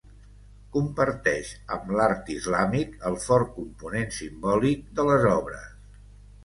Comparteix amb l'art islàmic el fort component simbòlic de les obres.